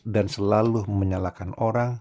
dan selalu menyalahkan orang